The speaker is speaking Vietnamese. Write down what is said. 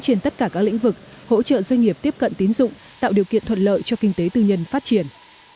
trên tất cả các lĩnh vực hỗ trợ doanh nghiệp tiếp cận tín dụng tạo điều kiện thuận lợi cho kinh tế tư nhân phát triển